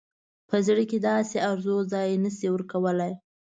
په زړه کې داسې آرزو ځای نه شي ورکولای.